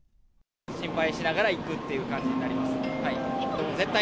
心配しながら行くっていう感じになります。